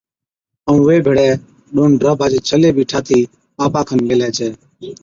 ائُون وي ڀيڙَي ڏون ڊاڀا چي ڇلي بِي ٺاھتِي آپا کن ميھلَي ڇَي